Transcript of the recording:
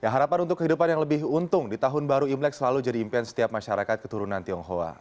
harapan untuk kehidupan yang lebih untung di tahun baru imlek selalu jadi impian setiap masyarakat keturunan tionghoa